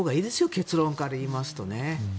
結論から言いますとね。